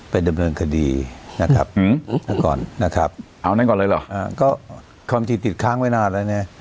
ไปดำเนินคดีนะครับก็ความจริงติดค้างไม่นานแล้วเนี่ย